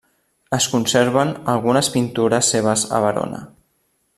Es conserven algunes pintures seves a Verona.